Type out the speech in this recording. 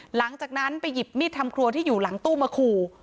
หลังจากนั้นไปหยิบมีดทำครัวที่อยู่หลังตู้มาขู่